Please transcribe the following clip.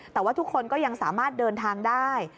แต่ว่าทุกคนก็ยังสามารถเดินทางได้